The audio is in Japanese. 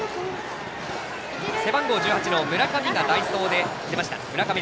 背番号１８の村上が代走で出ました。